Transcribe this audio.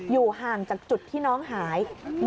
อยู่ห่างจากจุดที่น้องหาย